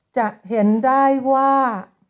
จะเห็นได้ว่า